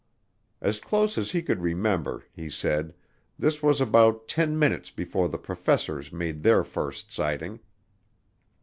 As close as he could remember, he said, this was about ten minutes before the professors made their first sighting.